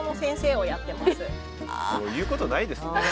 もう言うことないですね。